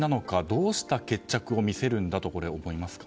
どうしたら決着を見せるんだと思いますか？